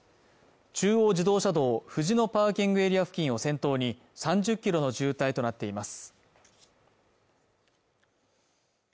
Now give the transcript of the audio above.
中央自動車道藤野パーキングエリア付近を先頭に３０ｋｍの渋滞となっています